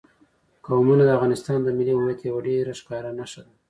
قومونه د افغانستان د ملي هویت یوه ډېره ښکاره نښه ده.